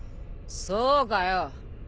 そうかよ。